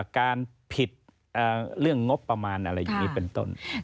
การผิดเรื่องงบประมาณอะไรอย่างนี้เป็นต้น